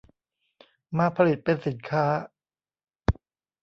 มาผลิตเป็นสินค้า